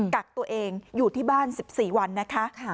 กักตัวเองอยู่ที่บ้าน๑๔วันนะคะ